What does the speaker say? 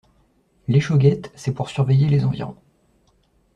L'échauguette, c'est pour surveiller les environs.